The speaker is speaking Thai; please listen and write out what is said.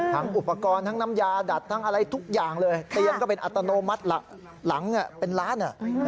อุปกรณ์ทั้งน้ำยาดัดทั้งอะไรทุกอย่างเลยเตียงก็เป็นอัตโนมัติหลังเป็นล้าน